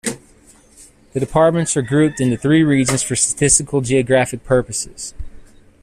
The departments are grouped into three regions for statistical and geographic purposes.